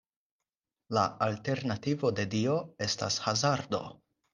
La alternativo de dio estas hazardo.